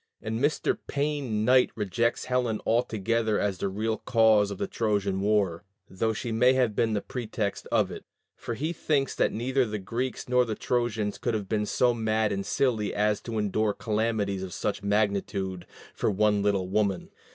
And Mr. Payne Knight rejects Helen altogether as the real cause of the Trojan war, though she may have been the pretext of it; for he thinks that neither the Greeks nor the Trojans could have been so mad and silly as to endure calamities of such magnitude "for one little woman."